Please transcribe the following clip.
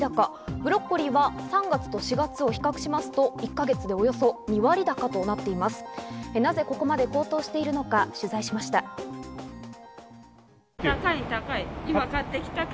ブロッコリーは３月と４月を比較しますと、およそ１か月でおよそ２割高となっています。